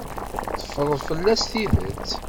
Teffreḍ fell-as tidet.